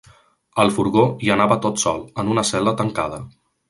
Al furgó, hi anava tot sol, en una cel·la tancada.